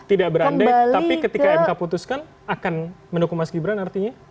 tidak berandai tapi ketika mk putuskan akan mendukung mas gibran artinya